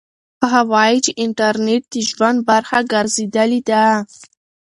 هغه وایي چې انټرنيټ د ژوند برخه ګرځېدلې ده.